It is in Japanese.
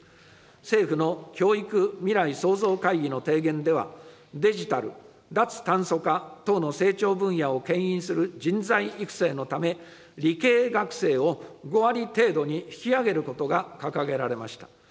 政府の教育未来創造会議の提言では、デジタル、脱炭素化等の成長分野をけん引する人材育成のため、理系学生を５割程度に引き上げることが掲げられました。